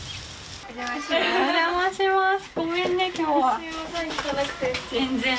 お邪魔します。